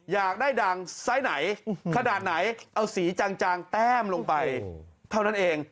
อยากได้ดังไซส์ไหนขนาดไหนเอาสีจางแต้มลงไปเท่านั้นเอง